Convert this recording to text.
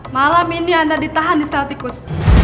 malam ini anda ditahan di celticus